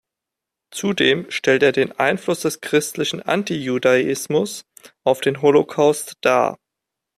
Zudem stellt er den Einfluss des christlichen Antijudaismus auf den Holocaust dar.